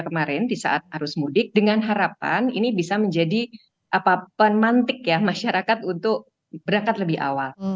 kemarin di saat harus mudik dengan harapan ini bisa menjadi pemantik ya masyarakat untuk berangkat lebih awal